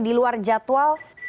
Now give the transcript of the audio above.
di luar jadwal